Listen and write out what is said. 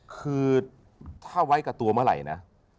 คือถ้าไว้กับตัวเมื่อไหร่นะ